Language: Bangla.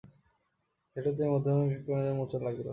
সেইটেতে মধুসূদনের হৃৎপিণ্ডে যেন মোচড় লাগল।